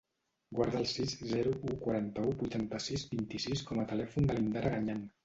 Guarda el sis, zero, u, quaranta-u, vuitanta-sis, vint-i-sis com a telèfon de l'Indara Gañan.